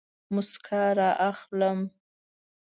موسکا رااخلم